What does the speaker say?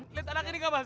lihat anaknya kak mas